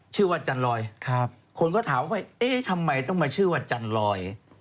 ชื่อว่าจันรอยคนก็ถามไว้ทำไมต้องมาชื่อว่าจันรอย